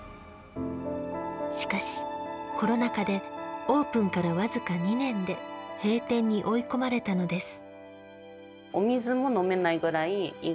しかし、コロナ禍でオープンから僅か２年で閉店に追い込まれたのです。